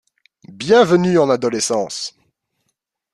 Bienvenue en adolescence !